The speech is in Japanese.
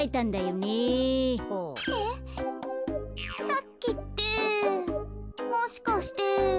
さっきってもしかして。